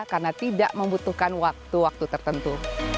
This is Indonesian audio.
karena tidak membutuhkan waktu waktu tertentu